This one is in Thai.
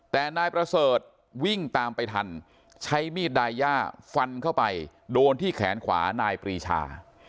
แต่นายประเสริฐวิ่งตามไปทันใช้มีดดายย่าฟันเข้าไปโดนที่แขนขวานายปรีชา